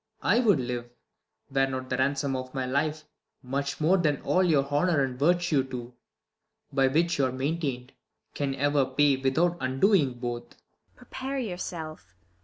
I would live, Were not the ransom of my life much more Than all your honour and your virtue too, By which you are maintain'd, can ever pay, Without undoing both. ISAB. Prepare j^our self